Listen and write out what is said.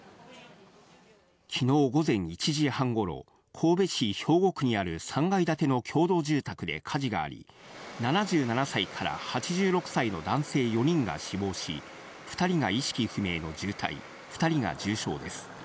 昨日午前１時半頃、神戸市兵庫区にある３階建ての共同住宅で火事があり、７７歳から８６歳の男性４人が死亡し、２人が意識不明の重体、２人が重傷です。